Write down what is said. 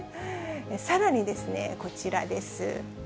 さらにこちらです。